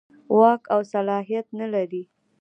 واک او صلاحیت نه لري.